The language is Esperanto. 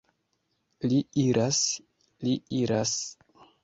Li iras, li iras!